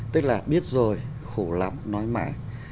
tức là biết rồi khổ lắm nói mãi